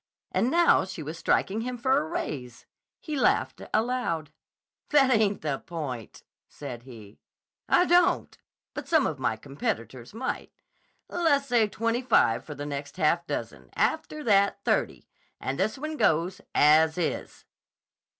And now she was striking him for a raise. He laughed aloud. "That ain't the point," said he. "I don't; but some of my competitors might. Lessay twenty five for the next half dozen: after that, thirty, and this one goes, as is."